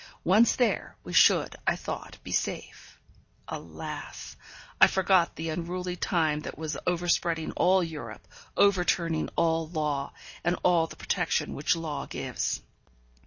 Once there, we should, I thought, be safe. Alas! I forgot the unruly time that was overspreading all Europe, overturning all law, and all the protection which law gives.